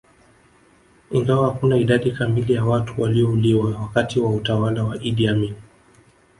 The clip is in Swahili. Ingawa hakuna idadi kamili ya watu waliouliwa wakati wa utawala wa Idi Amin